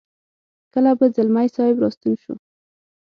کله به ځلمی صاحب را ستون شي.